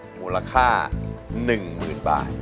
มูลค่า๑๐๐๐บาท